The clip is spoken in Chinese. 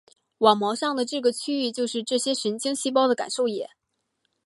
网膜上的这个区域就是这些神经细胞的感受野。